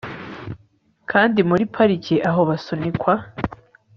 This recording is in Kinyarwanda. kandi, muri pariki aho basunikwa